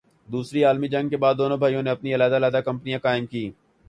وسری عالمی جنگ کے بعد دونوں بھائیوں نے اپنی علیحدہ علیحدہ کمپنیاں قائم کیں-